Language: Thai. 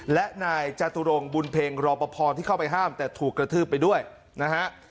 และนายจตุรงบุญเพ็งรอปภที่เข้าไปห้ามแต่ถูกกระทืบไปด้วยนะฮะ